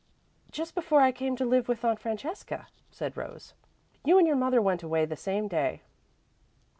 "Just before I came to live with Aunt Francesca," said Rose. "You and your mother went away the same day."